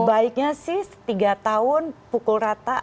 sebaiknya sih tiga tahun pukul rata